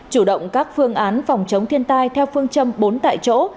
chủ động các phương án phòng chống thiên tai theo phương châm bốn tại chỗ